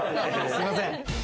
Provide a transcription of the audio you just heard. すみません。